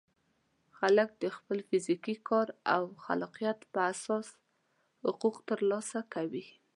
خلک د خپل فزیکي کار او خلاقیت په اساس حقوق ترلاسه کوي.